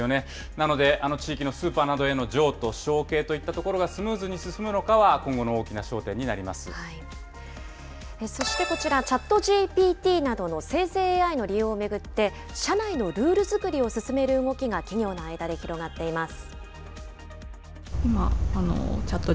なので、地域のスーパーなどへの譲渡、承継といったところがスムーズに進むのかは、今後の大きなそしてこちら、ＣｈａｔＧＰＴなどの生成ＡＩの利用を巡って、社内のルール作りを進める動きが企業の間で広がっています。